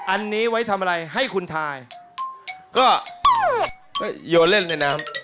อันนี้ไว้ทำอะไรให้คุณทายก็โยนเล่นในน้ำ